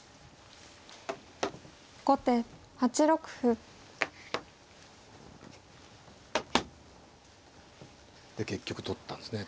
後手８六歩。で結局取ったんですね。